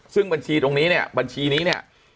ซึ่งบัญชีตรงนี้เนี่ยบัญชีนี้เนี่ย